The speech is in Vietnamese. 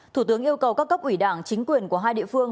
thủ tướng yêu cầu các cấp ủy đảng chính quyền của hai địa phương